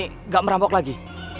tidak merampok lagi